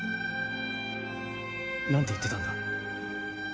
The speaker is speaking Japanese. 何て言ってたんだ？